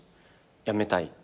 やめたい？